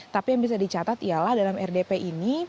tapi yang bisa dicatat ialah dalam rdp ini